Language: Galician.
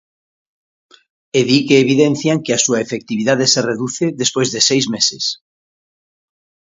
E di que evidencian que a súa efectividade se reduce despois de seis meses.